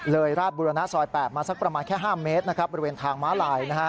ราชบุรณะซอย๘มาสักประมาณแค่๕เมตรบริเวณทางม้าลาย